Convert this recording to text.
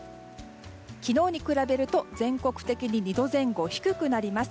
昨日に比べると全国的に２度前後低くなります。